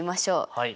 はい。